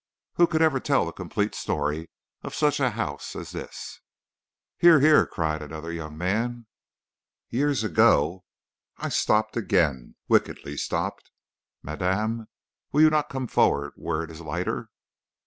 Who could ever tell the complete story of such a house as this?" "Hear! hear!" cried another young man. "Years ago " I stopped again, wickedly stopped. "Madame, will you not come forward where it is lighter?"